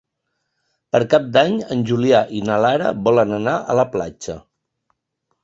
Per Cap d'Any en Julià i na Lara volen anar a la platja.